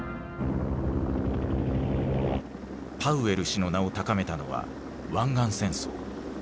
パウエル氏の名を高めたのは湾岸戦争。